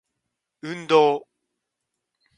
運動